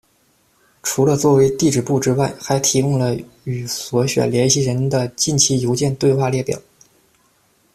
除了作为地址簿之外，还提供了与所选联系人的近期邮件对话列表。